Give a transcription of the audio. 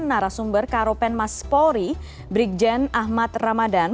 narasumber karopen maspori brigjen ahmad ramadan